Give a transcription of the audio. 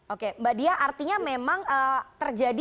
oke mbak diah artinya memang terjadi